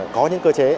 có những cơ chế